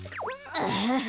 アハハ。